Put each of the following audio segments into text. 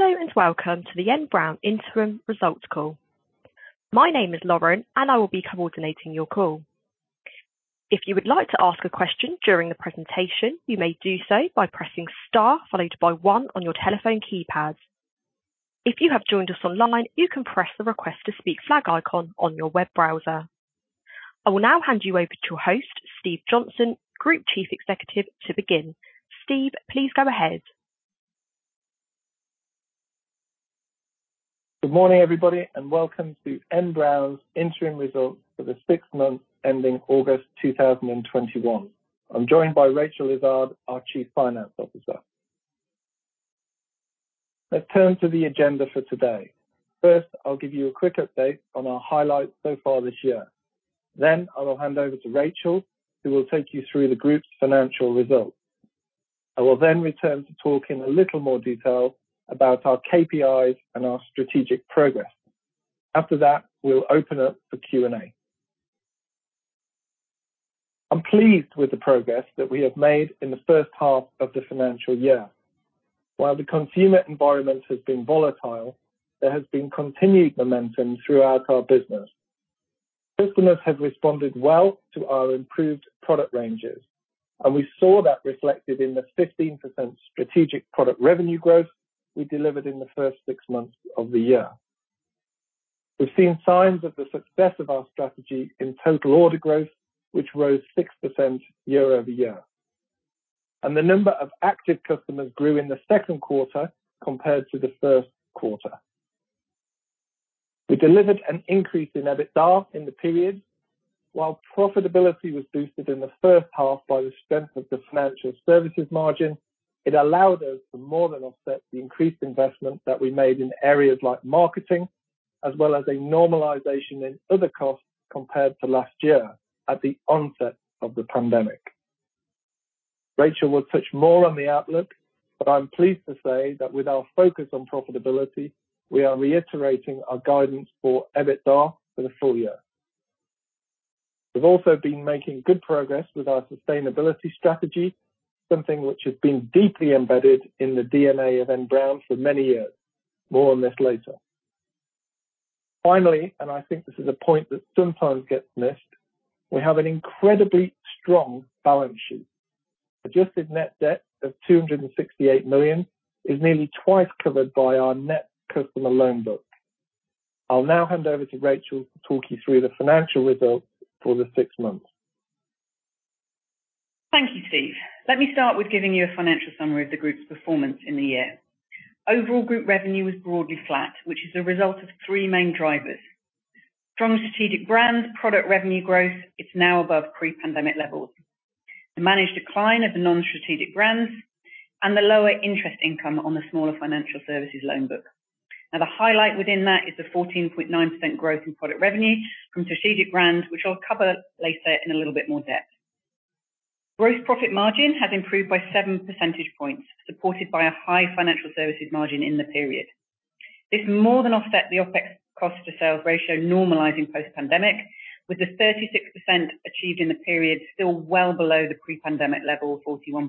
Hello, and welcome to the N Brown Interim Results call. My name is Lauren and I will be coordinating your call. If you would like to ask a question during the presentation, you may do so by pressing star followed by one on your telephone keypad. If you have joined us online, you can press the Request to Speak flag icon on your web browser. I will now hand you over to your host, Steve Johnson, Group Chief Executive, to begin. Steve, please go ahead. Good morning, everybody, welcome to N Brown interim results for the six months ending August 2021. I'm joined by Rachel Izzard, our Chief Financial Officer. Let's turn to the agenda for today. First, I'll give you a quick update on our highlights so far this year. I will hand over to Rachel, who will take you through the group's financial results. I will return to talk in a little more detail about our KPIs and our strategic progress. After that, we'll open up for Q&A. I'm pleased with the progress that we have made in the first half of the financial year. While the consumer environment has been volatile, there has been continued momentum throughout our business. Customers have responded well to our improved product ranges, and we saw that reflected in the 15% strategic product revenue growth we delivered in the first six months of the year. We've seen signs of the success of our strategy in total order growth, which rose 6% year-over-year. The number of active customers grew in the second quarter compared to the first quarter. We delivered an increase in EBITDA in the period, while profitability was boosted in the first half by the strength of the financial services margin. It allowed us to more than offset the increased investment that we made in areas like marketing, as well as a normalization in other costs compared to last year at the onset of the pandemic. Rachel will touch more on the outlook. I'm pleased to say that with our focus on profitability, we are reiterating our guidance for EBITDA for the full year. We've also been making good progress with our sustainability strategy, something which has been deeply embedded in the DNA of N Brown for many years. More on this later. Finally, I think this is a point that sometimes gets missed, we have an incredibly strong balance sheet. Adjusted net debt of 268 million is nearly twice covered by our net customer loan book. I'll now hand over to Rachel to talk you through the financial results for the six months. Thank you, Steve. Let me start with giving you a financial summary of the group's performance in the year. Overall group revenue was broadly flat, which is a result of three main drivers. Strong strategic brand product revenue growth is now above pre-pandemic levels. The managed decline of the non-strategic brands and the lower interest income on the smaller financial services loan book. The highlight within that is the 14.9% growth in product revenue from strategic brands, which I'll cover later in a little bit more depth. Gross profit margin has improved by seven percentage points, supported by a high financial services margin in the period. This more than offset the OpEx cost to sales ratio normalizing post-pandemic, with the 36% achieved in the period still well below the pre-pandemic level of 41%.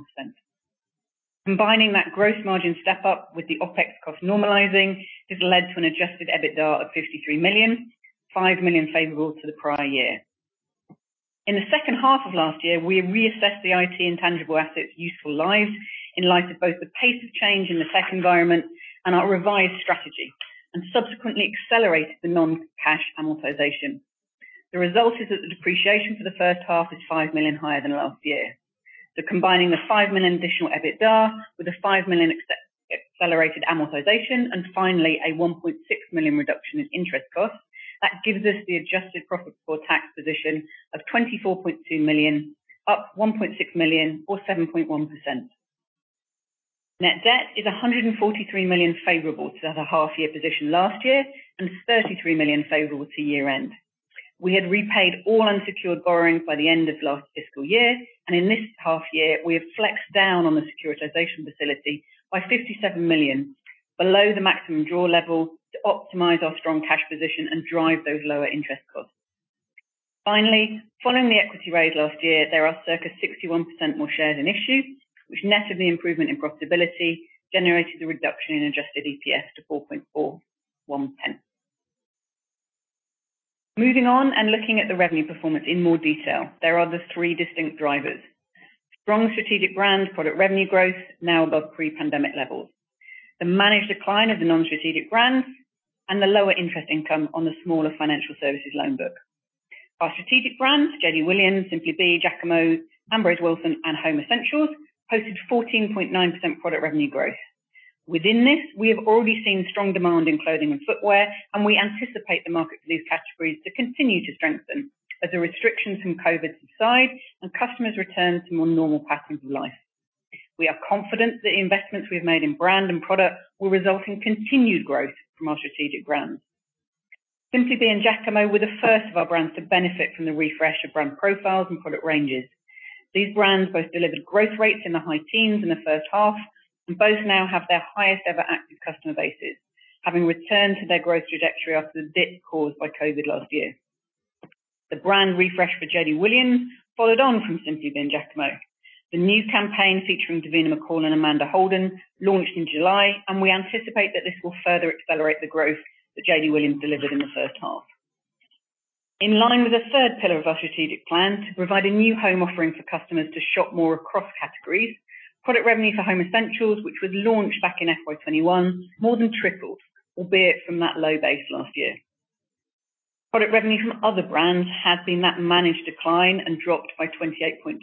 Combining that gross margin step up with the OpEx cost normalizing has led to an adjusted EBITDA of 53 million, 5 million favorable to the prior year. In the second half of last year, we reassessed the IT and tangible assets' useful lives in light of both the pace of change in the tech environment and our revised strategy, and subsequently accelerated the non-cash amortization. The result is that the depreciation for the first half is 5 million higher than last year. Combining the 5 million additional EBITDA with a 5 million accelerated amortization and finally a 1.6 million reduction in interest costs, that gives us the adjusted profit for tax position of 24.2 million, up 1.6 million or 7.1%. Net debt is 143 million favorable to the half year position last year and 33 million favorable to year end. We had repaid all unsecured borrowings by the end of last fiscal year, and in this half year we have flexed down on the securitization facility by 57 million below the maximum draw level to optimize our strong cash position and drive those lower interest costs. Finally, following the equity raise last year, there are circa 61% more shares in issue, which net of the improvement in profitability, generated a reduction in adjusted EPS to 4.4, 1/10. Moving on and looking at the revenue performance in more detail, there are the three distinct drivers: strong strategic brand product revenue growth now above pre-pandemic levels, the managed decline of the non-strategic brands, and the lower interest income on the smaller financial services loan book. Our strategic brands, JD Williams, Simply Be, Jacamo, Ambrose Wilson and Home Essentials, posted 14.9% product revenue growth. Within this, we have already seen strong demand in clothing and footwear. We anticipate the market for these categories to continue to strengthen as the restrictions from COVID subside and customers return to more normal patterns of life. We are confident that the investments we've made in brand and product will result in continued growth from our strategic brands. Simply Be and Jacamo were the first of our brands to benefit from the refresh of brand profiles and product ranges. These brands both delivered growth rates in the high teens in the first half, and both now have their highest ever active customer bases, having returned to their growth trajectory after the dip caused by COVID last year. The brand refresh for JD Williams followed on from Simply Be and Jacamo. The new campaign featuring Davina McCall and Amanda Holden launched in July, and we anticipate that this will further accelerate the growth that JD Williams delivered in the first half. In line with the third pillar of our strategic plan to provide a new home offering for customers to shop more across categories, product revenue for Home Essentials, which was launched back in FY 2021, more than tripled, albeit from that low base last year. Product revenue from other brands has seen that managed decline and dropped by 28.2%.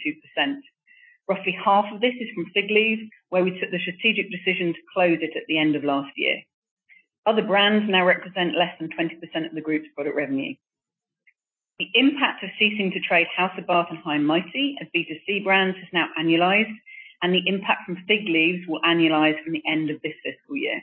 Roughly half of this is from Figleaves, where we took the strategic decision to close it at the end of last year. Other brands now represent less than 20% of the group's product revenue. The impact of ceasing to trade House of Bath High & Mighty as B2C brands has now annualized, and the impact from Figleaves will annualize from the end of this fiscal year.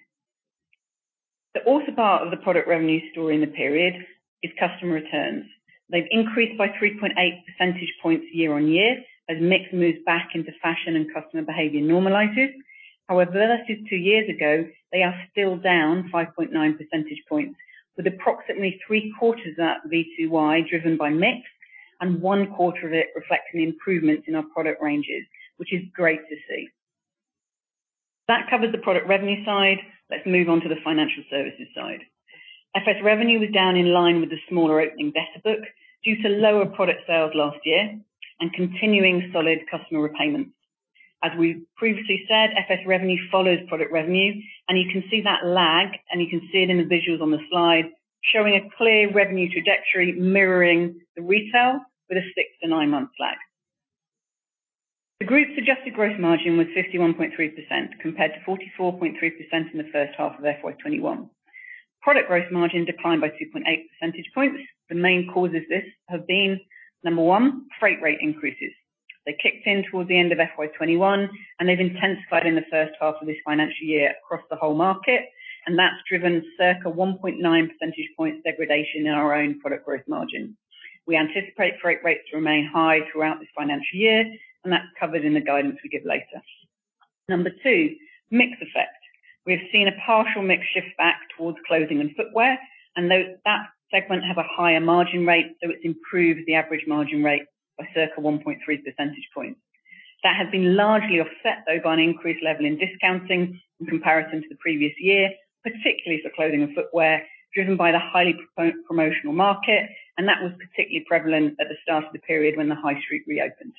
The other part of the product revenue story in the period is customer returns. They've increased by 3.8 percentage points year-on-year, as mix moves back into fashion and customer behavior normalizes. Versus two years ago, they are still down 5.9 percentage points, with approximately 3/4 of that [YOY] driven by mix and one-quarter of it reflecting the improvements in our product ranges, which is great to see. That covers the product revenue side. Let's move on to the financial services side. FS revenue was down in line with the smaller opening debtor book due to lower product sales last year and continuing solid customer repayments. As we've previously said, FS revenue follows product revenue, and you can see that lag, and you can see it in the visuals on the slide, showing a clear revenue trajectory mirroring the retail with a six to nine-month lag. The group's adjusted gross margin was 51.3% compared to 44.3% in the first half of FY 2021. Product gross margin declined by 2.8 percentage points. The main causes of this have been, number one, freight rate increases. They kicked in towards the end of FY 2021, and they've intensified in the first half of this financial year across the whole market, and that's driven circa 1.9 percentage point degradation in our own product gross margin. We anticipate freight rates to remain high throughout this financial year, and that's covered in the guidance we give later. Number two, mix effect. We have seen a partial mix shift back towards clothing and footwear, and that segment have a higher margin rate, so it's improved the average margin rate by circa 1.3 percentage points. That has been largely offset, though, by an increased level in discounting in comparison to the previous year, particularly for clothing and footwear, driven by the highly promotional market, and that was particularly prevalent at the start of the period when the high street reopened.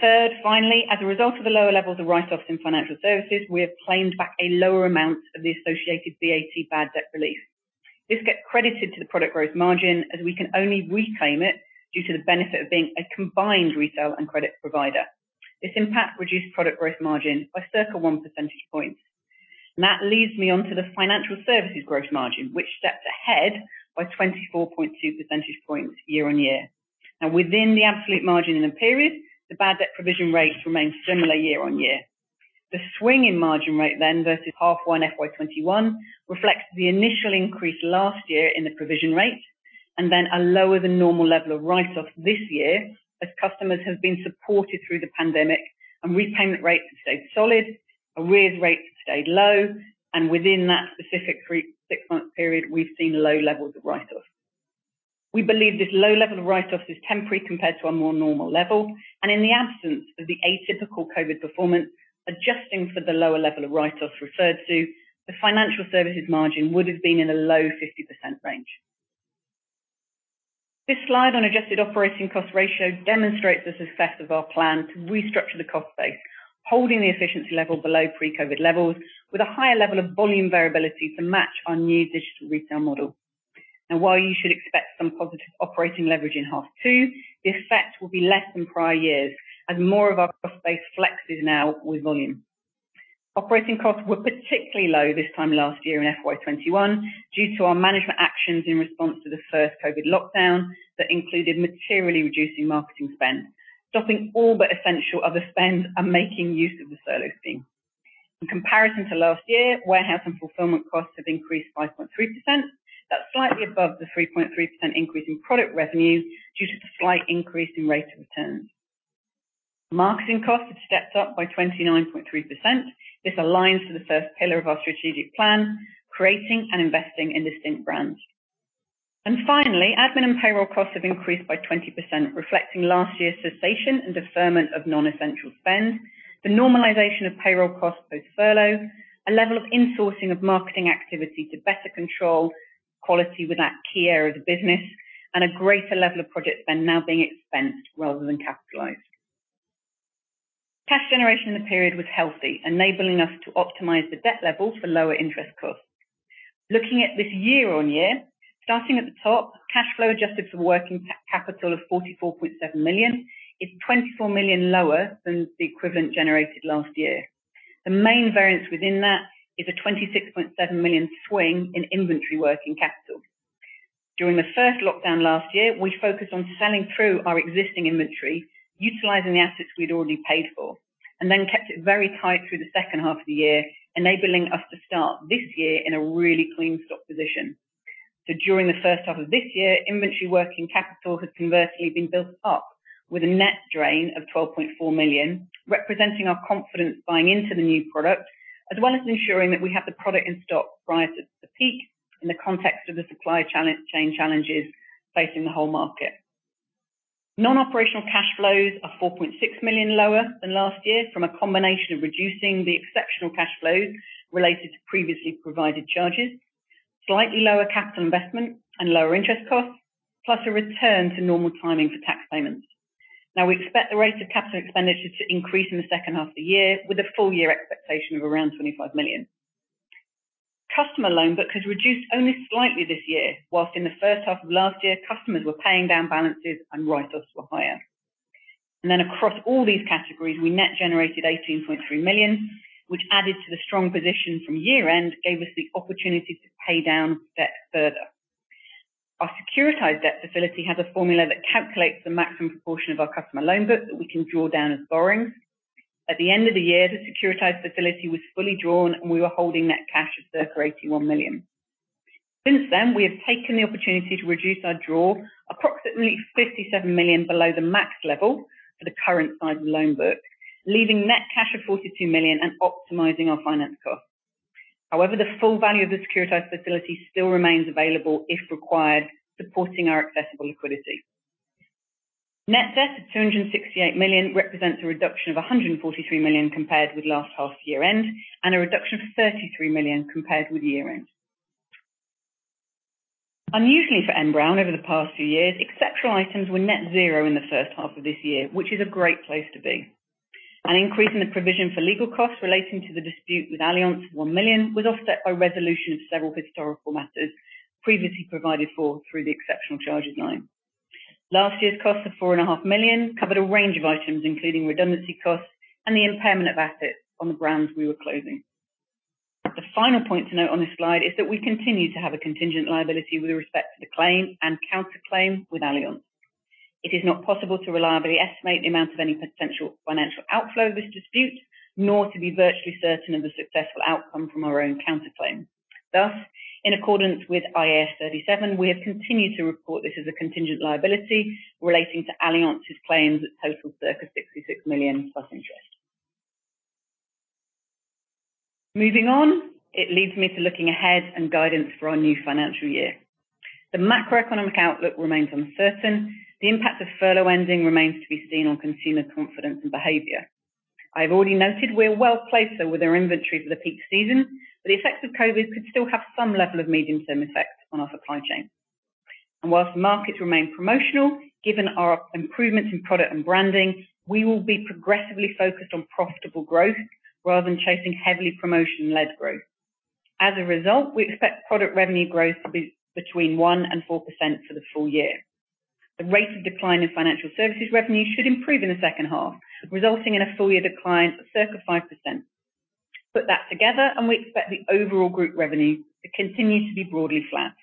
Third, finally, as a result of the lower levels of write-offs in financial services, we have claimed back a lower amount of the associated VAT bad debt relief. This gets credited to the product gross margin as we can only reclaim it due to the benefit of being a combined retail and credit provider. This impact reduced product gross margin by circa 1 percentage point. That leads me onto the financial services gross margin, which stepped ahead by 24.2 percentage points year-on-year. Now within the absolute margin in the period, the bad debt provision rate remains similar year-on-year. The swing in margin rate then versus H1 FY 2021 reflects the initial increase last year in the provision rate and then a lower-than-normal level of write-offs this year, as customers have been supported through the pandemic and repayment rates have stayed solid, arrears rates have stayed low, and within that specific six-month period, we've seen low levels of write-offs. We believe this low level of write-offs is temporary compared to a more normal level, and in the absence of the atypical COVID performance, adjusting for the lower level of write-offs referred to, the financial services margin would have been in a low 50% range. This slide on adjusted operating cost ratio demonstrates the success of our plan to restructure the cost base, holding the efficiency level below pre-COVID levels with a higher level of volume variability to match our new digital retail model. While you should expect some positive operating leverage in H2, the effect will be less than prior years as more of our cost base flexes now with volume. Operating costs were particularly low this time last year in FY 2021 due to our management actions in response to the first COVID-19 lockdown that included materially reducing marketing spend, stopping all but essential other spend, and making use of the furlough scheme. In comparison to last year, warehouse and fulfillment costs have increased 5.3%. That's slightly above the 3.3% increase in product revenue due to the slight increase in rates of return. Marketing costs have stepped up by 29.3%. This aligns to the first pillar of our strategic plan, creating and investing in distinct brands. Finally, admin and payroll costs have increased by 20%, reflecting last year's cessation and deferment of non-essential spend, the normalization of payroll costs post-furlough, a level of insourcing of marketing activity to better control quality with that key area of the business, and a greater level of project spend now being expensed rather than capitalized. Cash generation in the period was healthy, enabling us to optimize the debt level for lower interest costs. Looking at this year-over-year, starting at the top, cash flow adjusted for working capital of 44.7 million is 24 million lower than the equivalent generated last year. The main variance within that is a 26.7 million swing in inventory working capital. During the first lockdown last year, we focused on selling through our existing inventory, utilizing the assets we'd already paid for, and then kept it very tight through the second half of the year, enabling us to start this year in a really clean stock position. During the first half of this year, inventory working capital has conversely been built up with a net drain of 12.4 million, representing our confidence buying into the new product, as well as ensuring that we have the product in stock prior to the peak in the context of the supply chain challenges facing the whole market. Non-operational cash flows are 4.6 million lower than last year from a combination of reducing the exceptional cash flows related to previously provided charges, slightly lower capital investment and lower interest costs, plus a return to normal timing for tax payments. We expect the rate of CapEx to increase in the second half of the year with a full year expectation of around 25 million. Customer loan book has reduced only slightly this year, whilst in the first half of last year, customers were paying down balances and write-offs were higher. Across all these categories, we net generated 18.3 million, which added to the strong position from year-end, gave us the opportunity to pay down debt further. Our securitized debt facility has a formula that calculates the maximum proportion of our customer loan book that we can draw down as borrowings. At the end of the year, the securitized facility was fully drawn, and we were holding net cash of circa 81 million. Since then, we have taken the opportunity to reduce our draw approximately 57 million below the max level for the current size loan book, leaving net cash of 42 million and optimizing our finance cost. However, the full value of the securitized facility still remains available if required, supporting our accessible liquidity. Net debt at 268 million represents a reduction of 143 million compared with last half year-end, and a reduction of 33 million compared with year-end. Unusually for N Brown over the past few years, exceptional items were net zero in the first half of this year, which is a great place to be. An increase in the provision for legal costs relating to the dispute with Allianz of 1 million was offset by resolution of several historical matters previously provided for through the exceptional charges line. Last year's cost of 4.5 million covered a range of items, including redundancy costs and the impairment of assets on the grounds we were closing. The final point to note on this slide is that we continue to have a contingent liability with respect to the claim and counterclaim with Allianz. It is not possible to reliably estimate the amount of any potential financial outflow of this dispute, nor to be virtually certain of a successful outcome from our own counterclaim. In accordance with IAS 37, we have continued to report this as a contingent liability relating to Allianz's claims that total circa 66 million plus interest. Moving on, it leads me to looking ahead and guidance for our new financial year. The macroeconomic outlook remains uncertain. The impact of furlough ending remains to be seen on consumer confidence and behavior. I've already noted we're well placed, though, with our inventory for the peak season. The effects of COVID could still have some level of medium-term effect on our supply chain. Whilst the markets remain promotional, given our improvements in product and branding, we will be progressively focused on profitable growth rather than chasing heavily promotion-led growth. As a result, we expect product revenue growth to be between 1%-4% for the full year. The rate of decline in financial services revenue should improve in the second half, resulting in a full year decline of circa 5%. Put that together, we expect the overall group revenue to continue to be broadly flat.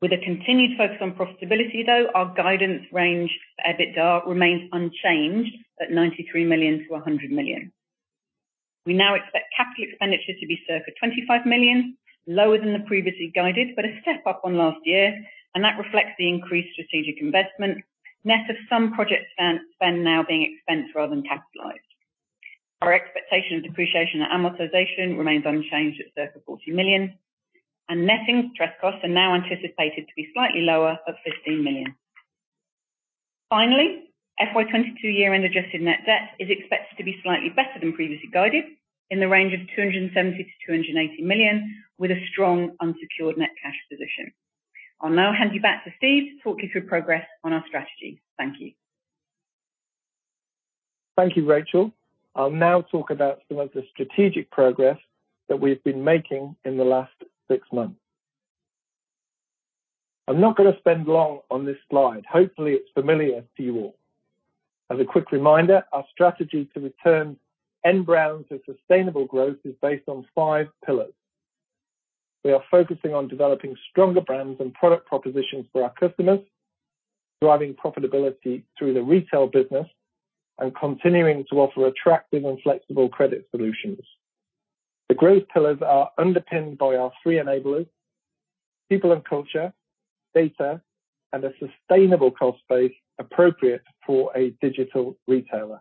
With a continued focus on profitability though, our guidance range for EBITDA remains unchanged at 93 million-100 million. We now expect capital expenditure to be circa 25 million, lower than the previously guided, but a step up on last year, and that reflects the increased strategic investment, net of some project spend now being expensed rather than capitalized. Our expectation of depreciation and amortization remains unchanged at circa 40 million, and net interest costs are now anticipated to be slightly lower at 15 million. Finally, FY 2022 year-end adjusted net debt is expected to be slightly better than previously guided in the range of 270 million-280 million with a strong unsecured net cash position. I'll now hand you back to Steve to talk you through progress on our strategy. Thank you. Thank you, Rachel. I'll now talk about some of the strategic progress that we've been making in the last six months. I'm not going to spend long on this slide. Hopefully, it's familiar to you all. As a quick reminder, our strategy to return N Brown to sustainable growth is based on five pillars. We are focusing on developing stronger brands and product propositions for our customers, driving profitability through the retail business, and continuing to offer attractive and flexible credit solutions. The growth pillars are underpinned by our three enablers, people and culture, data, and a sustainable cost base appropriate for a digital retailer.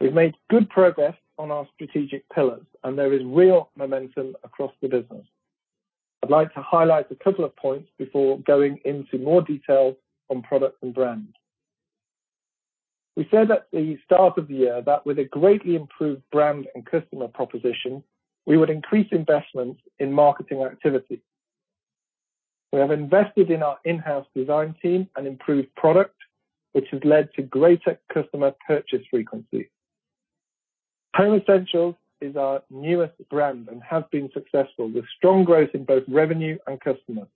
We've made good progress on our strategic pillars, and there is real momentum across the business. I'd like to highlight a couple of points before going into more detail on products and brands. We said at the start of the year that with a greatly improved brand and customer proposition, we would increase investments in marketing activity. We have invested in our in-house design team and improved product, which has led to greater customer purchase frequency. Home Essentials is our newest brand and has been successful with strong growth in both revenue and customers.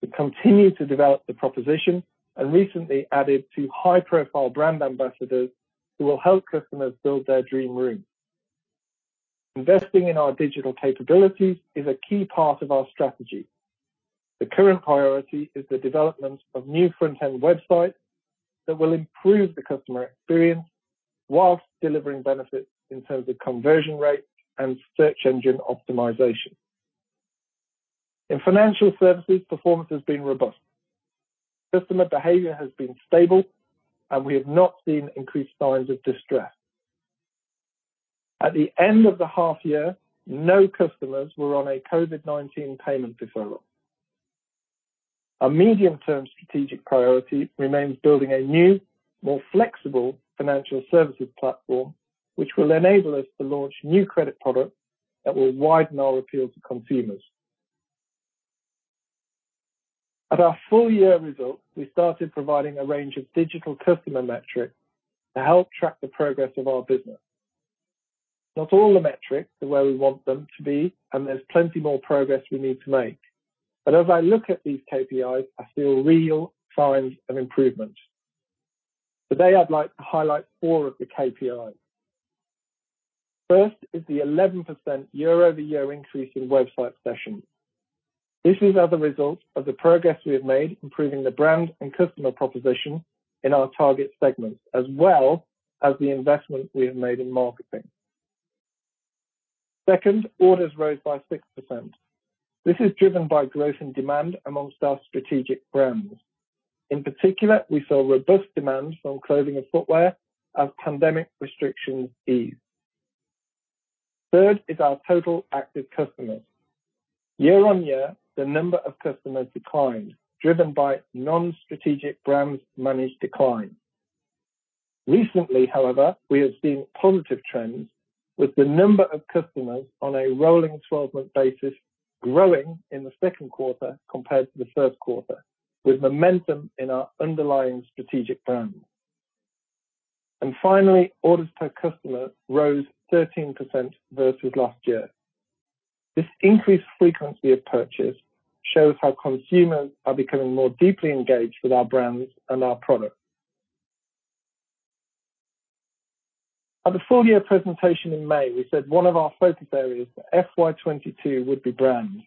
We continue to develop the proposition and recently added two high-profile brand ambassadors who will help customers build their dream room. Investing in our digital capabilities is a key part of our strategy. The current priority is the development of new front-end websites that will improve the customer experience while delivering benefits in terms of conversion rate and search engine optimization. In financial services, performance has been robust. Customer behavior has been stable, and we have not seen increased signs of distress. At the end of the half year, no customers were on a COVID-19 payment deferral. Our medium-term strategic priority remains building a new, more flexible financial services platform, which will enable us to launch new credit products that will widen our appeal to consumers. At our full-year results, we started providing a range of digital customer metrics to help track the progress of our business. Not all the metrics are where we want them to be, and there's plenty more progress we need to make. As I look at these KPIs, I see real signs of improvement. Today, I'd like to highlight four of the KPIs. First is the 11% year-over-year increase in website sessions. This is as a result of the progress we have made improving the brand and customer proposition in our target segments, as well as the investment we have made in marketing. Second, orders rose by 6%. This is driven by growth and demand amongst our strategic brands. In particular, we saw robust demands from clothing and footwear as pandemic restrictions ease. Third is our total active customers. Year-on-year, the number of customers declined, driven by non-strategic brands' managed decline. Recently, however, we have seen positive trends with the number of customers on a rolling 12-month basis growing in the second quarter compared to the first quarter, with momentum in our underlying strategic brands. Finally, orders per customer rose 13% versus last year. This increased frequency of purchase shows how consumers are becoming more deeply engaged with our brands and our product. At the full-year presentation in May, we said one of our focus areas for FY 22 would be brand.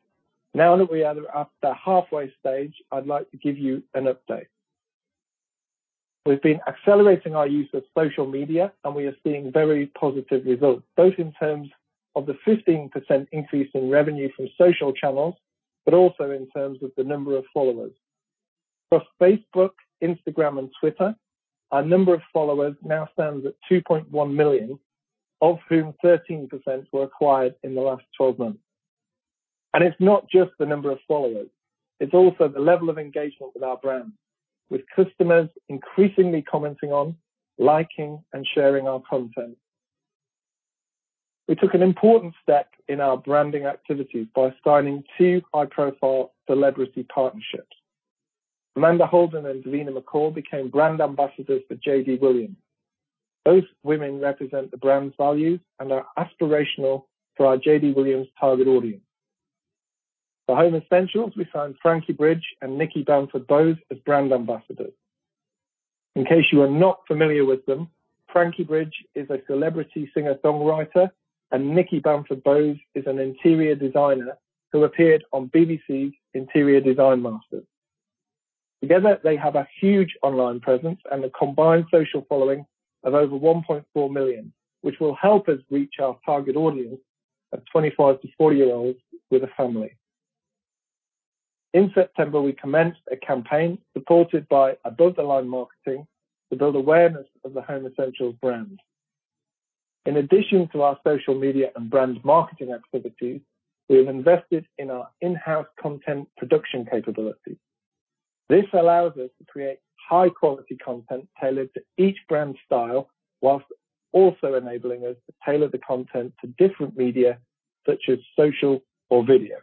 Now that we are at the halfway stage, I'd like to give you an update. We've been accelerating our use of social media, we are seeing very positive results, both in terms of the 15% increase in revenue from social channels, but also in terms of the number of followers. For Facebook, Instagram, and Twitter, our number of followers now stands at 2.1 million, of whom 13% were acquired in the last 12 months. It's not just the number of followers, it's also the level of engagement with our brand, with customers increasingly commenting on, liking, and sharing our content. We took an important step in our branding activities by signing two high-profile celebrity partnerships. Amanda Holden and Davina McCall became brand ambassadors for JD Williams. Both women represent the brand's values and are aspirational for our JD Williams target audience. For Home Essentials, we signed Frankie Bridge and Nicki Bamford-Bowes as brand ambassadors. In case you are not familiar with them, Frankie Bridge is a celebrity singer-songwriter, and Nikki Bamford-Bowes is an interior designer who appeared on BBC's Interior Design Masters. Together, they have a huge online presence and a combined social following of over 1.4 million, which will help us reach our target audience of 25-40-year-olds with a family. In September, we commenced a campaign supported by above-the-line marketing to build awareness of the Home Essentials brand. In addition to our social media and brand marketing activities, we have invested in our in-house content production capability. This allows us to create high-quality content tailored to each brand style, whilst also enabling us to tailor the content to different media, such as social or video.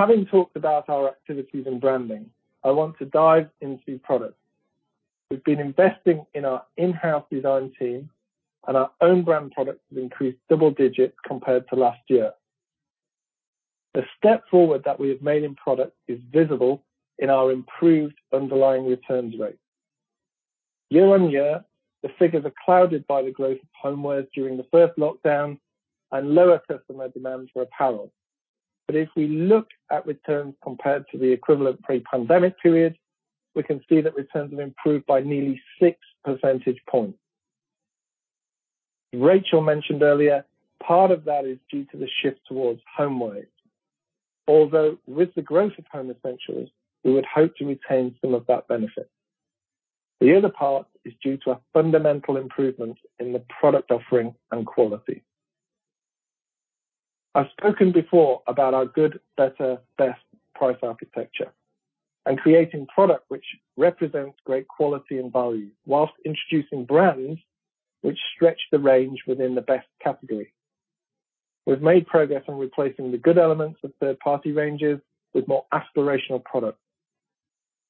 Having talked about our activities in branding, I want to dive into product. We've been investing in our in-house design team, and our own brand products have increased double digits compared to last year. The step forward that we have made in product is visible in our improved underlying returns rate. Year-on-year, the figures are clouded by the growth of homewares during the first lockdown and lower customer demands for apparel. If we look at returns compared to the equivalent pre-pandemic period, we can see that returns have improved by nearly six percentage points. Rachel mentioned earlier, part of that is due to the shift towards homewares, although with the growth of Home Essentials, we would hope to retain some of that benefit. The other part is due to a fundamental improvement in the product offering and quality. I've spoken before about our good, better, best price architecture and creating product which represents great quality and value while introducing brands which stretch the range within the best category. We've made progress on replacing the good elements of third-party ranges with more aspirational product.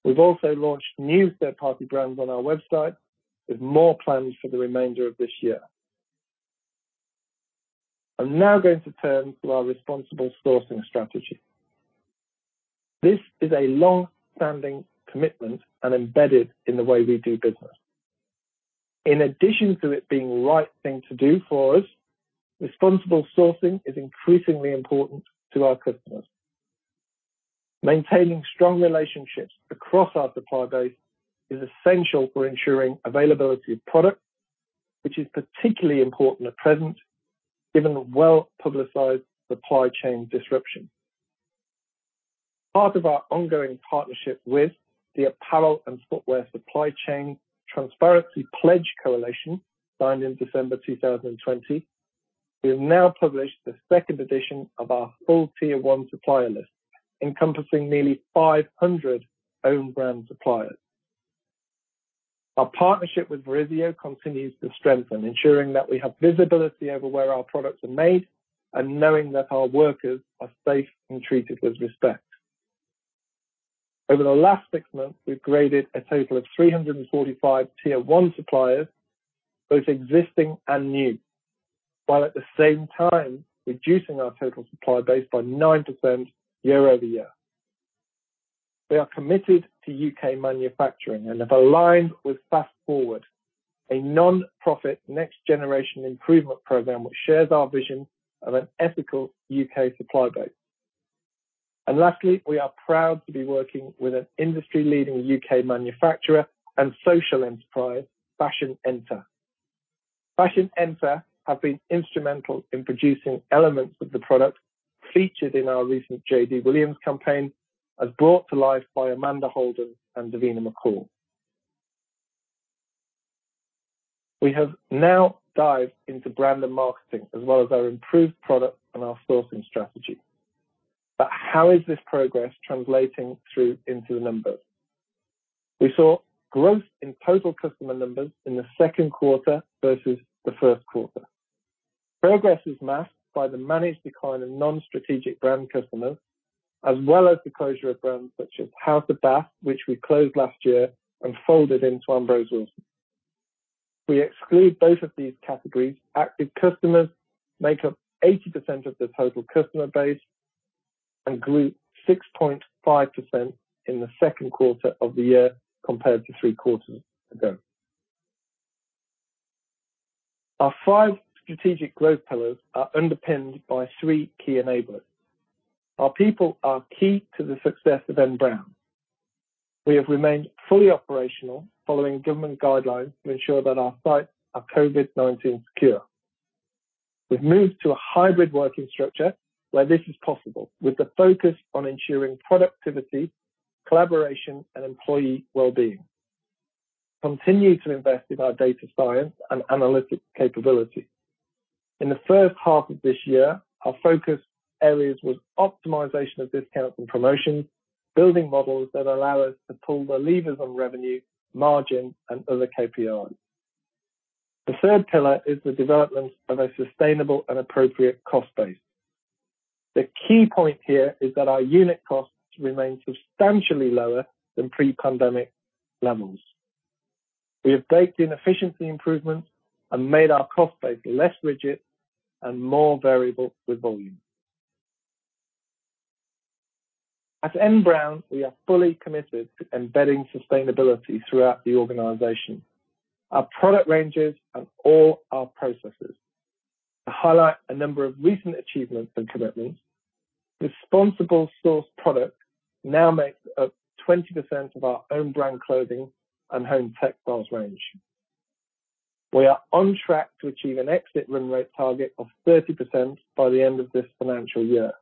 We've also launched new third-party brands on our website with more plans for the remainder of this year. I'm now going to turn to our responsible sourcing strategy. This is a long-standing commitment and embedded in the way we do business. In addition to it being the right thing to do for us, responsible sourcing is increasingly important to our customers. Maintaining strong relationships across our supply base is essential for ensuring availability of product, which is particularly important at present given the well-publicized supply chain disruption. Part of our ongoing partnership with the Apparel and Footwear Supply Chain Transparency Pledge Coalition, signed in December 2020, we have now published the second edition of our full tier 1 supplier list, encompassing nearly 500 own brand suppliers. Our partnership with Verisio continues to strengthen, ensuring that we have visibility over where our products are made and knowing that our workers are safe and treated with respect. Over the last six months, we've graded a total of 345 tier 1 suppliers, both existing and new, while at the same time reducing our total supply base by 9% year-over-year. We are committed to U.K. manufacturing and have aligned with Fast Forward, a non-profit next generation improvement program which shares our vision of an ethical U.K. supply base. Lastly, we are proud to be working with an industry leading U.K. manufacturer and social enterprise, Fashion Enter. Fashion Enter have been instrumental in producing elements of the product featured in our recent JD Williams campaign as brought to life by Amanda Holden and Davina McCall. We have now dived into brand and marketing as well as our improved product and our sourcing strategy. How is this progress translating through into the numbers? We saw growth in total customer numbers in the second quarter versus the first quarter. Progress is masked by the managed decline of non-strategic brand customers, as well as the closure of brands such as House of Bath, which we closed last year and folded into Ambrose Wilson. If we exclude both of these categories, active customers make up 80% of the total customer base and grew 6.5% in the second quarter of the year compared to three quarters ago. Our five strategic growth pillars are underpinned by three key enablers. Our people are key to the success of N Brown. We have remained fully operational following government guidelines to ensure that our sites are COVID-19 secure. We've moved to a hybrid working structure where this is possible with the focus on ensuring productivity, collaboration, and employee wellbeing. We continue to invest in our data science and analytic capability. In the first half of this year, our focus areas were optimization of discounts and promotions, building models that allow us to pull the levers on revenue, margin, and other KPIs. The third pillar is the development of a sustainable and appropriate cost base. The key point here is that our unit costs remain substantially lower than pre-pandemic levels. We have baked in efficiency improvements and made our cost base less rigid and more variable with volume. At N Brown, we are fully committed to embedding sustainability throughout the organization, our product ranges, and all our processes. To highlight a number of recent achievements and commitments, responsible sourced product now makes up 20% of our own brand clothing and home textiles range. We are on track to achieve an exit run rate target of 30% by the end of this financial year.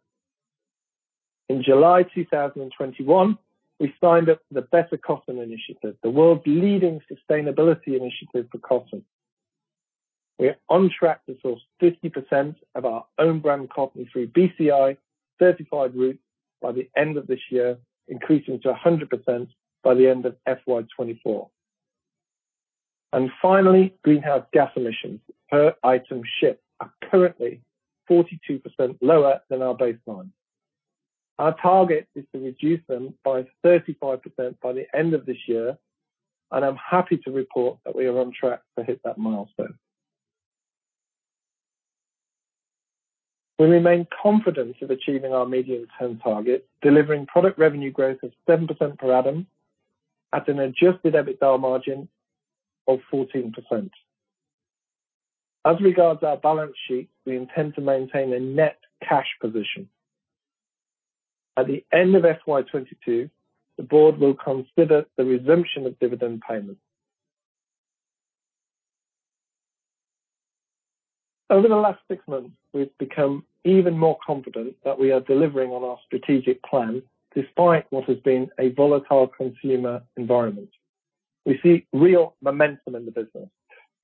In July 2021, we signed up for the Better Cotton Initiative, the world's leading sustainability initiative for cotton. We are on track to source 50% of our own brand cotton through BCI certified route by the end of this year, increasing to 100% by the end of FY 2024. Finally, greenhouse gas emissions per item shipped are currently 42% lower than our baseline. Our target is to reduce them by 35% by the end of this year, and I'm happy to report that we are on track to hit that milestone. We remain confident of achieving our medium-term target, delivering product revenue growth of 7% per annum at an adjusted EBITDA margin of 14%. As regards our balance sheet, we intend to maintain a net cash position. At the end of FY 2022, the board will consider the resumption of dividend payments. Over the last six months, we've become even more confident that we are delivering on our strategic plan, despite what has been a volatile consumer environment. We see real momentum in the business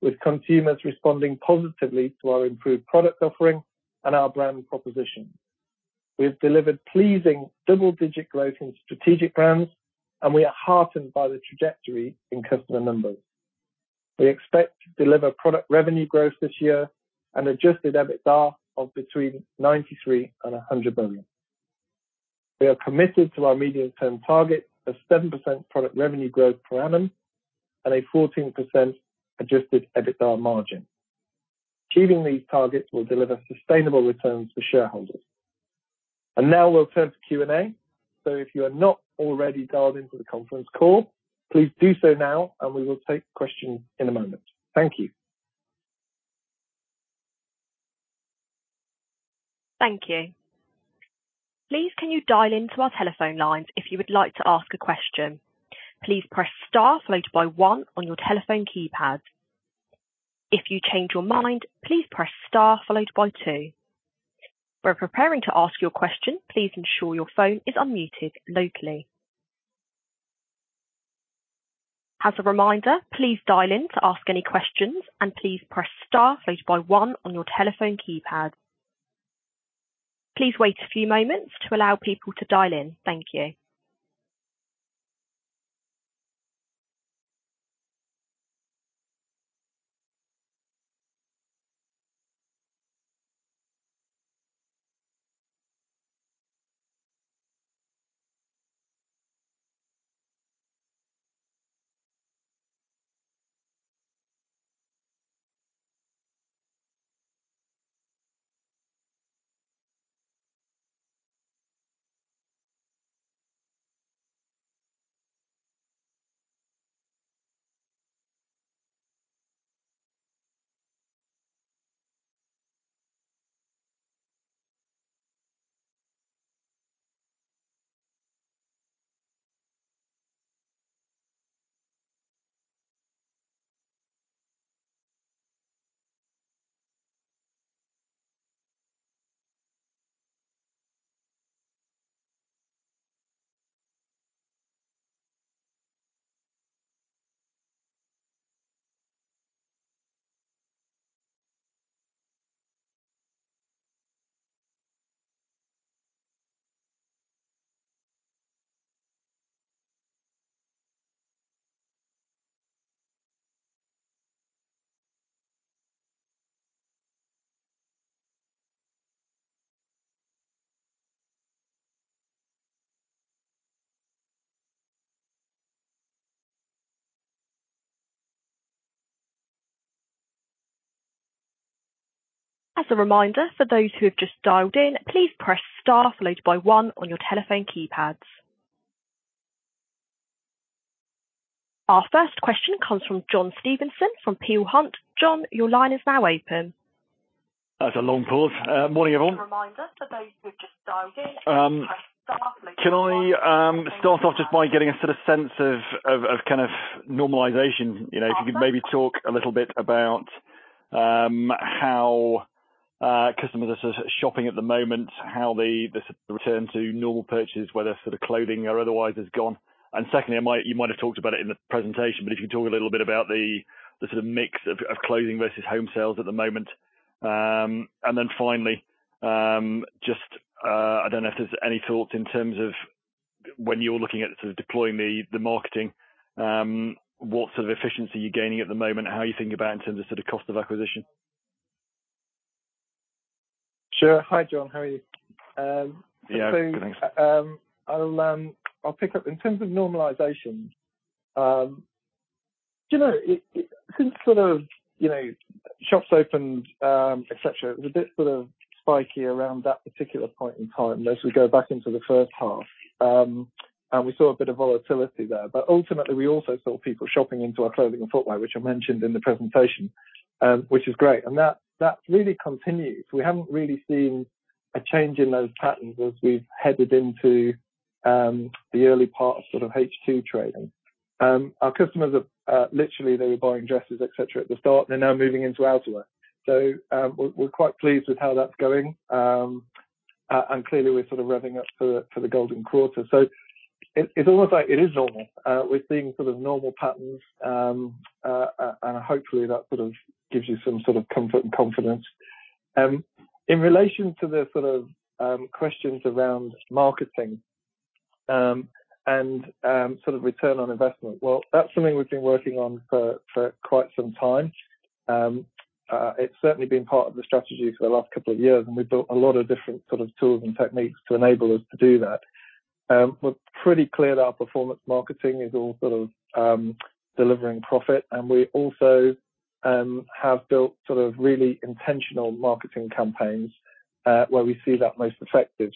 with consumers responding positively to our improved product offering and our brand proposition. We have delivered pleasing double-digit growth in strategic brands, and we are heartened by the trajectory in customer numbers. We expect to deliver product revenue growth this year and adjusted EBITDA of between 93 million and 100 million. We are committed to our medium term target of 7% product revenue growth per annum and a 14% adjusted EBITDA margin. Achieving these targets will deliver sustainable returns for shareholders. Now we'll turn to Q&A. If you are not already dialed into the conference call, please do so now and we will take questions in a moment. Thank you. Thank you. Please, can you dial into our telephone lines if you would like to ask a question. Please press star followed by one on your telephone keypad. If you change your mind, please press star followed by two. When preparing to ask your question, please ensure your phone is unmuted locally. As a reminder, please dial in to ask any questions and please press star followed by one on your telephone keypad. Please wait a few moments to allow people to dial in. Thank you. As a reminder for those who have just dialed in, please press star followed by one on your telephone keypads. Our first question comes from John Stevenson from Peel Hunt. John, your line is now open. That's a long pause. Morning, everyone. A reminder for those who have just dialed in, please press star followed by one- Can I start off just by getting a sense of normalization? If you could maybe talk a little bit about how customers are shopping at the moment, how they return to normal purchase, whether clothing or otherwise is gone. Secondly, you might have talked about it in the presentation, but if you can talk a little bit about the mix of clothing versus home sales at the moment. Finally, I don't know if there's any thoughts in terms of when you're looking at deploying the marketing, what efficiency you're gaining at the moment and how you're thinking about in terms of cost of acquisition. Sure. Hi, John. How are you? Yeah. Good, thanks. I'll pick up. In terms of normalization, since shops opened, et cetera, it was a bit spiky around that particular point in time as we go back into the first half. We saw a bit of volatility there. Ultimately, we also saw people shopping into our clothing and footwear, which I mentioned in the presentation, which is great. That really continues. We haven't really seen a change in those patterns as we've headed into the early part of H2 trading. Our customers are literally they were buying dresses, et cetera, at the start, they're now moving into outerwear. We're quite pleased with how that's going. Clearly, we're revving up for the golden quarter. It's almost like it is normal. We're seeing normal patterns. Hopefully, that gives you some sort of comfort and confidence. In relation to the questions around marketing and return on investment, well, that's something we've been working on for quite some time. It's certainly been part of the strategy for the last couple of years, and we've built a lot of different tools and techniques to enable us to do that. We're pretty clear that our performance marketing is all delivering profit, and we also have built really intentional marketing campaigns where we see that most effective.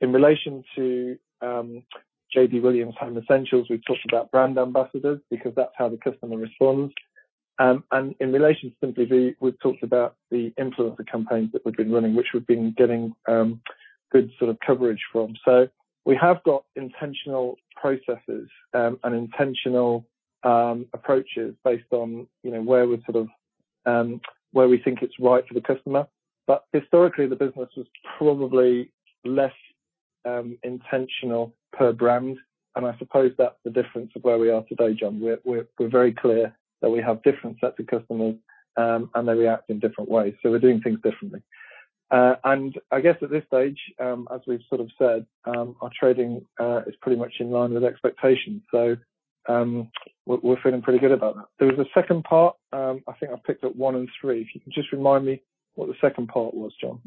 In relation to JD Williams Home Essentials, we've talked about brand ambassadors because that's how the customer responds. In relation to Simply Be, we've talked about the influencer campaigns that we've been running, which we've been getting good coverage from. We have got intentional processes and intentional approaches based on where we think it's right for the customer. Historically, the business was probably less intentional per brand, and I suppose that's the difference of where we are today, John. We're very clear that we have different sets of customers, and they react in different ways. We're doing things differently. I guess at this stage, as we've said, our trading is pretty much in line with expectations. We're feeling pretty good about that. There was a second part. I think I picked up one and three. If you can just remind me what the second part was, John.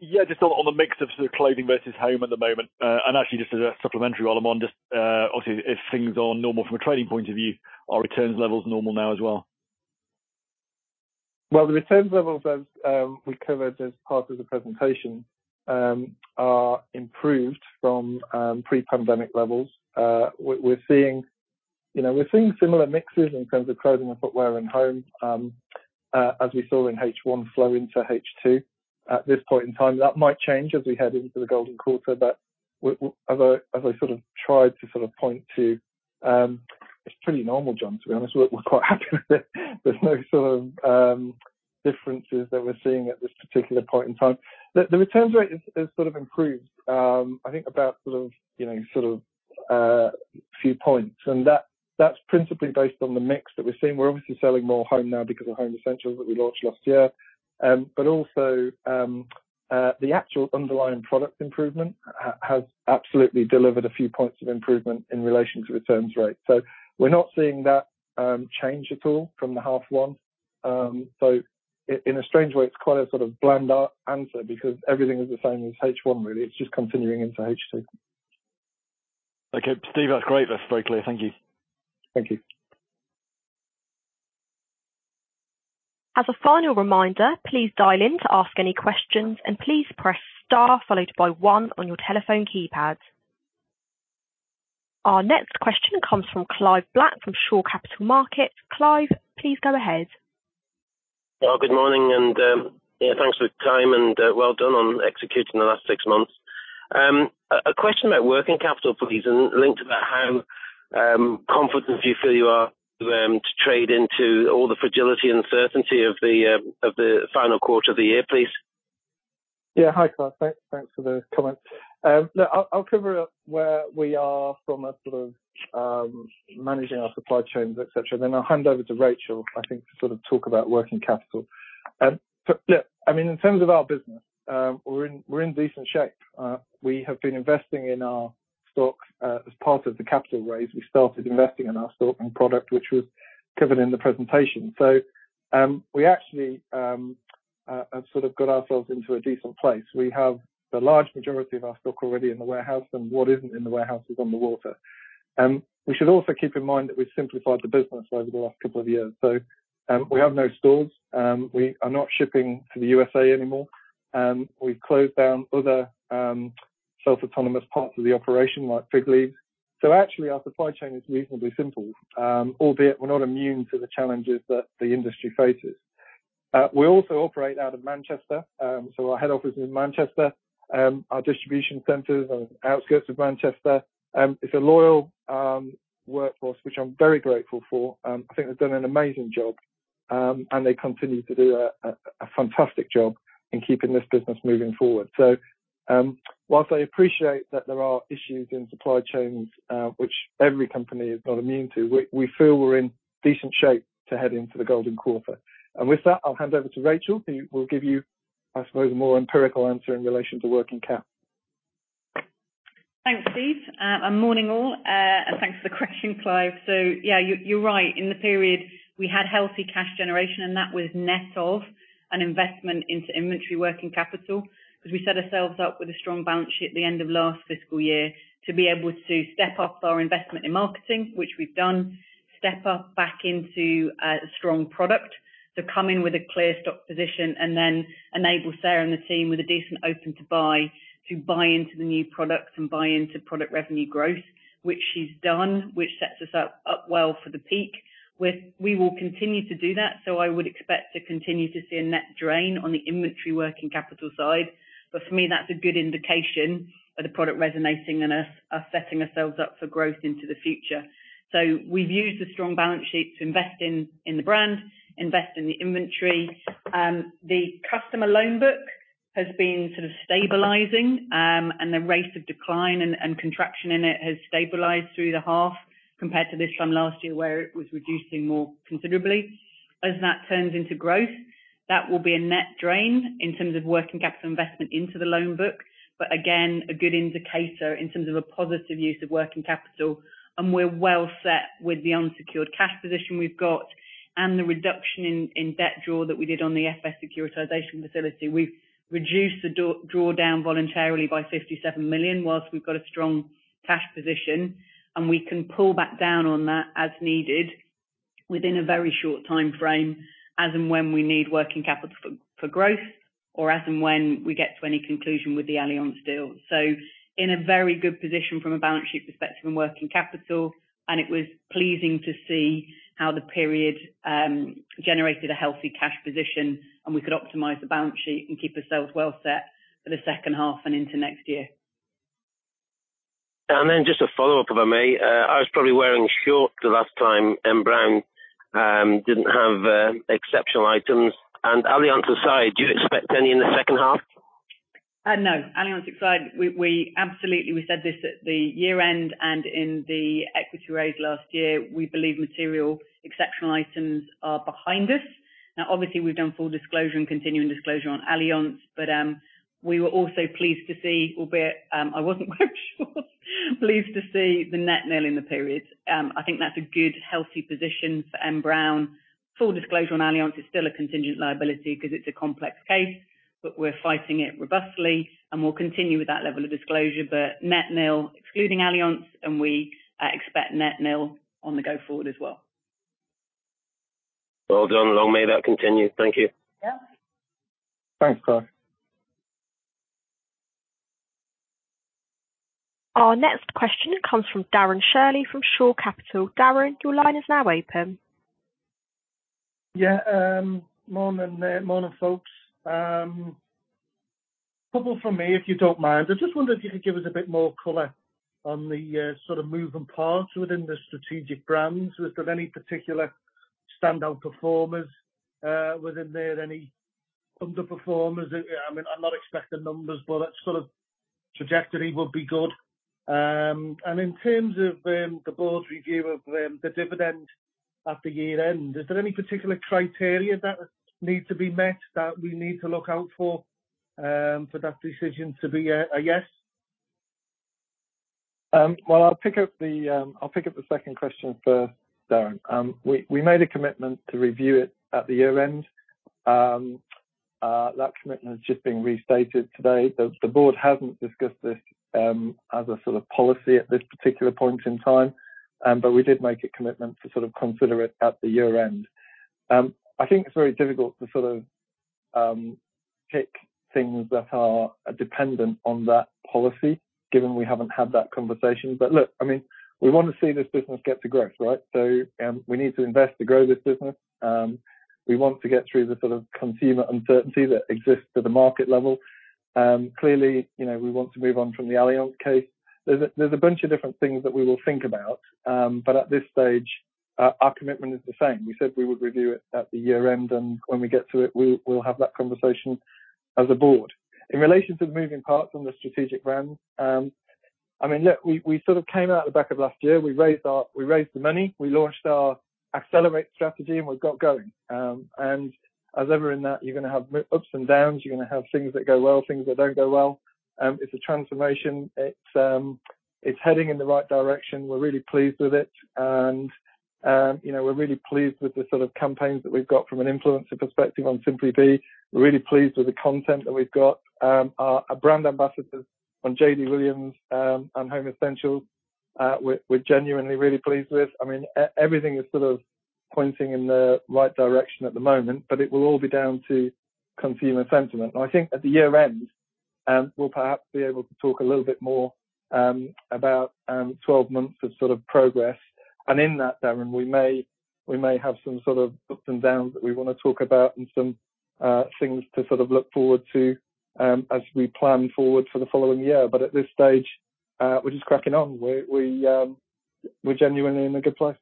Yeah, just on the mix of clothing versus home at the moment. Actually, just as a supplementary while I'm on, just obviously, if things are normal from a trading point of view, are returns levels normal now as well? Well, the returns levels as we covered as part of the presentation are improved from pre-pandemic levels. We're seeing similar mixes in terms of clothing and footwear and home as we saw in H1 flow into H2. At this point in time, that might change as we head into the golden quarter, as I tried to point to, it's pretty normal, John, to be honest. We're quite happy with it. There's no differences that we're seeing at this particular point in time. The returns rate has improved I think about a few points, that's principally based on the mix that we're seeing. We're obviously selling more home now because of Home Essentials that we launched last year. Also, the actual underlying product improvement has absolutely delivered a few points of improvement in relation to returns rate. We're not seeing that change at all from the half one. In a strange way, it's quite a bland answer because everything is the same as H1, really. It's just continuing into H2. Okay, Steve, that's great. That's very clear. Thank you. Thank you. As a final reminder, please dial in to ask any questions and please press star followed by one on your telephone keypad. Our next question comes from Clive Black from Shore Capital Markets. Clive, please go ahead. Good morning, and thanks for the time, and well done on executing the last six months. A question about working capital, please, and linked about how confident you feel you are to trade into all the fragility and uncertainty of the final quarter of the year, please. Yeah. Hi, Clive. Thanks for those comments. I'll cover where we are from a managing our supply chains, et cetera, then I'll hand over to Rachel, I think, to talk about working capital. In terms of our business, we're in decent shape. We have been investing in our stock as part of the capital raise. We started investing in our stock and product, which was covered in the presentation. We actually have got ourselves into a decent place. We have the large majority of our stock already in the warehouse, and what isn't in the warehouse is on the water. We should also keep in mind that we've simplified the business over the last couple of years. We have no stores. We are not shipping to the U.S.A. anymore. We've closed down other self-autonomous parts of the operation, like Figleaves. Actually, our supply chain is reasonably simple, albeit we're not immune to the challenges that the industry faces. We also operate out of Manchester, so our head office is in Manchester. Our distribution center is on outskirts of Manchester. It's a loyal workforce, which I'm very grateful for. I think they've done an amazing job, and they continue to do a fantastic job in keeping this business moving forward. Whilst I appreciate that there are issues in supply chains, which every company is not immune to, we feel we're in decent shape to head into the golden quarter. With that, I'll hand over to Rachel, who will give you, I suppose, a more empirical answer in relation to working cap. Thanks, Steve. Morning, all. Thanks for the question, Clive. Yeah, you're right. In the period, we had healthy cash generation, and that was net of an investment into inventory working capital, because we set ourselves up with a strong balance sheet at the end of last fiscal year to be able to step up our investment in marketing, which we've done, step up back into a strong product to come in with a clear stock position, and then enable Sarah and the team with a decent open to buy to buy into the new products and buy into product revenue growth, which she's done, which sets us up well for the peak. We will continue to do that, so I would expect to continue to see a net drain on the inventory working capital side. For me, that's a good indication of the product resonating and us setting ourselves up for growth into the future. We've used the strong balance sheet to invest in the brand, invest in the inventory. The customer loan book has been stabilizing, and the rate of decline and contraction in it has stabilized through the half compared to this time last year, where it was reducing more considerably. As that turns into growth, that will be a net drain in terms of working capital investment into the loan book. Again, a good indicator in terms of a positive use of working capital, and we're well set with the unsecured cash position we've got and the reduction in debt draw that we did on the FS securitization facility. We've reduced the drawdown voluntarily by 57 million whilst we've got a strong cash position, and we can pull back down on that as needed within a very short time frame as and when we need working capital for growth or as and when we get to any conclusion with the Allianz deal. In a very good position from a balance sheet perspective and working capital, and it was pleasing to see how the period generated a healthy cash position, and we could optimize the balance sheet and keep ourselves well set for the second half and into next year. Just a follow-up, if I may. I was probably wearing shorts the last time N Brown didn't have exceptional items. Allianz aside, do you expect any in the second half? No. Allianz aside, absolutely we said this at the year-end and in the equity raise last year, we believe material exceptional items are behind us. Now, obviously, we've done full disclosure and continuing disclosure on Allianz, but we were also pleased to see, albeit I wasn't quite sure, pleased to see the net nil in the period. I think that's a good, healthy position for N Brown. Full disclosure on Allianz, it's still a contingent liability because it's a complex case, but we're fighting it robustly, and we'll continue with that level of disclosure. Net nil excluding Allianz, and we expect net nil on the go forward as well. Well done. Long may that continue. Thank you. Yeah. Thanks, Clive. Our next question comes from Darren Shirley from Shore Capital. Darren, your line is now open. Morning there. Morning, folks. A couple from me, if you don't mind. I just wondered if you could give us a bit more color on the sort of moving parts within the strategic brands. Was there any particular standout performers within there? Any underperformers? I'm not expecting numbers, but that sort of trajectory would be good. In terms of the board review of the dividend at the year-end, is there any particular criteria that needs to be met that we need to look out for that decision to be a yes? Well, I'll pick up the second question first, Darren. We made a commitment to review it at the year-end. That commitment has just been restated today. The board hasn't discussed this as a sort of policy at this particular point in time, but we did make a commitment to sort of consider it at the year-end. I think it's very difficult to sort of pick things that are dependent on that policy, given we haven't had that conversation. Look, we want to see this business get to growth, right? We need to invest to grow this business. We want to get through the sort of consumer uncertainty that exists at the market level. Clearly, we want to move on from the Allianz case. There's a bunch of different things that we will think about, but at this stage, our commitment is the same. We said we would review it at the year-end, and when we get to it, we will have that conversation as a board. In relation to the moving parts on the strategic brand, look, we sort of came out the back of last year. We raised the money, we launched our accelerate strategy, and we've got going. As ever in that, you're going to have ups and downs, you're going to have things that go well, things that don't go well. It's a transformation. It's heading in the right direction. We're really pleased with it, and we're really pleased with the sort of campaigns that we've got from an influencer perspective on Simply Be. We're really pleased with the content that we've got. Our brand ambassadors on JD Williams and Home Essentials, we're genuinely really pleased with. Everything is sort of pointing in the right direction at the moment, but it will all be down to consumer sentiment. I think at the year-end, we'll perhaps be able to talk a little bit more about 12 months of sort of progress. In that, Darren, we may have some sort of ups and downs that we want to talk about and some things to sort of look forward to as we plan forward for the following year. At this stage, we're just cracking on. We're genuinely in a good place.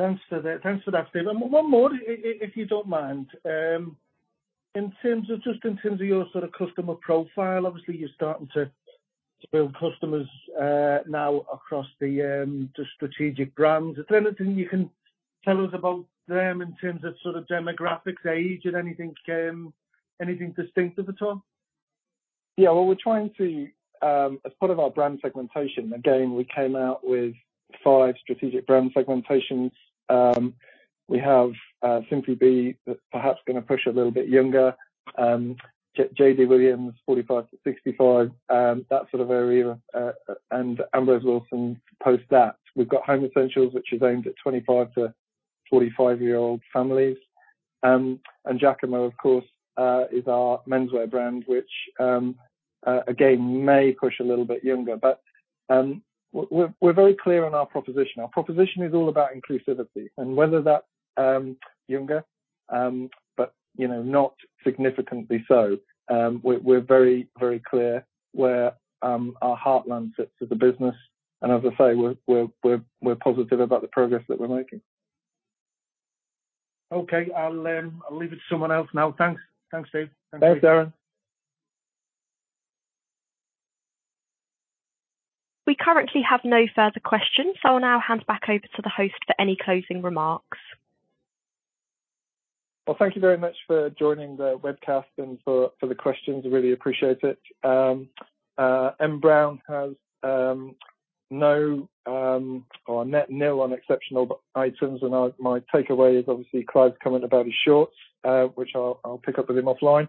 Thanks for that, Steve. One more, if you don't mind. Just in terms of your sort of customer profile, obviously you're starting to build customers now across the strategic brands. Is there anything you can tell us about them in terms of sort of demographics, age, or anything distinctive at all? Yeah. Well, we're trying to, as part of our brand segmentation, again, we came out with five strategic brand segmentations. We have Simply Be, that's perhaps going to push a little bit younger, JD Williams, 45-65, that sort of area, and Ambrose Wilson post that. We've got Home Essentials, which is aimed at 25-45-year-old families. Jacamo, of course, is our menswear brand, which again, may push a little bit younger. We're very clear on our proposition. Our proposition is all about inclusivity. Whether that younger, but not significantly so. We're very clear where our heartland sits as a business. As I say, we're positive about the progress that we're making. Okay. I'll leave it to someone else now. Thanks. Thanks, Steve. Thank you. Thanks, Darren. We currently have no further questions. I'll now hand back over to the host for any closing remarks. Thank you very much for joining the webcast and for the questions. I really appreciate it. N Brown has net nil on exceptional items, and my takeaway is obviously Clive's comment about his shorts, which I'll pick up with him offline.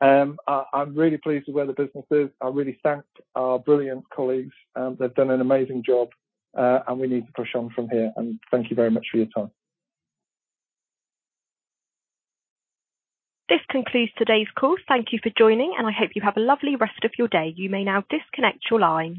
I'm really pleased with where the business is. I really thank our brilliant colleagues. They've done an amazing job, and we need to push on from here. Thank you very much for your time. This concludes today's call. Thank you for joining, and I hope you have a lovely rest of your day. You may now disconnect your line.